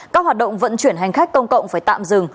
các hoạt động vận chuyển hành khách công cộng phải tạm dừng